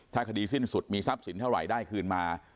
ถ้าคดีสิ้นสุดมีทรัพย์สินเท่าไหร่ได้คืนมา